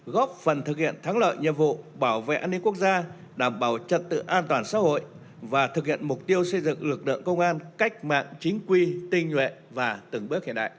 góp phần thực hiện thắng lợi nhiệm vụ bảo vệ an ninh quốc gia đảm bảo trật tự an toàn xã hội và thực hiện mục tiêu xây dựng lực lượng công an cách mạng chính quy tinh nhuệ và từng bước hiện đại